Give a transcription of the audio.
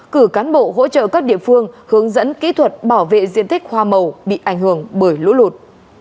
cử cán bộ hỗ trợ các địa phương hướng dẫn kỹ thuật bảo vệ diện tích hoa màu bị ảnh hưởng bởi lũ lụt